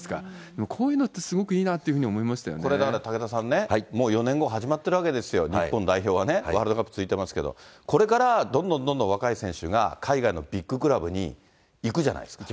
もうこういうのってすごくいいなこれだから、武田さんね、もう４年後、始まってるわけですよ、日本代表はね、ワールドカップ続いてますけど、これからどんどんどんどん若い選手が、海外のビッグクラブに行くじゃないですか。